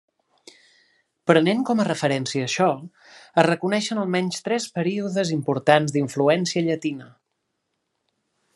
Prenent com a referència això, es reconeixen almenys tres períodes importants d'influència llatina.